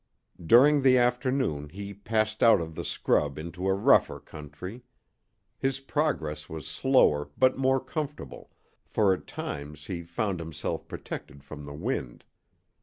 During the afternoon he passed out of the scrub into a rougher country. His progress was slower, but more comfortable, for at times he found himself protected from the wind.